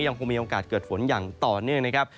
ยังคงมีโอกาสเกิดฝนอย่างต่อเนื่องนะครับ